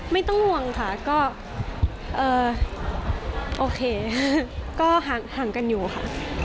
ไม่ต้องห่วงค่ะก็โอเคก็ห่างกันอยู่ค่ะ